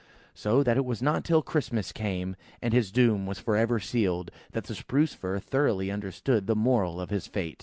So that it was not till Christmas came, and his doom was for ever sealed, that the Spruce fir thoroughly understood the moral of his fate.